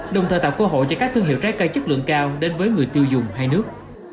đồng thời tạo cơ hội cho các thương hiệu trái cây chất lượng cao đến với người tiêu dùng hai nước